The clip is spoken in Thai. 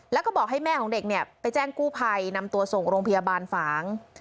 แล้วก็บอกให้แม่ของเด็กเนี่ยไปแจ้งกู้ภัยนำตัวส่งโรงพยาบาลฝาง